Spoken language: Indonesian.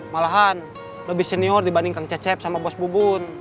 malahan lebih senior dibanding kang cecep sama bos bubun